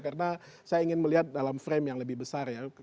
karena saya ingin melihat dalam frame yang lebih besar ya